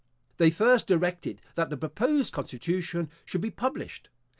They first directed that the proposed constitution should be published.